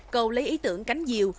cầu lấy ý tưởng cánh diều